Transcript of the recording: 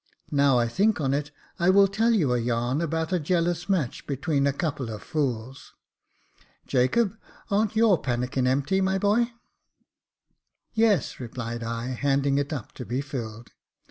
Now I think on it, I will tell you a yarn about a jealous match between a couple of fools. Jacob, aren't your pannikin empty, my boy ?" io8 Jacob Faithful " Yes," replied I, handing it up to be filled.